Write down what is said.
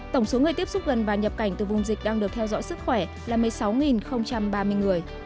tổng số người tiếp xúc gần và nhập cảnh từ vùng dịch đang được theo dõi sức khỏe là một mươi sáu ba mươi người